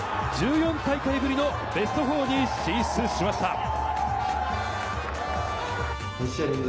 １４大会ぶりのベスト４に進出しました。